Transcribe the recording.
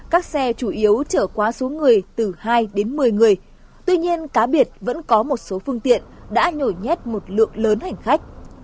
các xe chủ yếu chở quá số người từ hai đến một mươi người tuy nhiên cá biệt vẫn có một số phương tiện đã nhổi nhét một lượng lớn hành khách